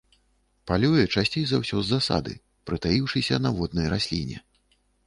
Палюе часцей за ўсё з засады, прытаіўшыся на воднай расліне.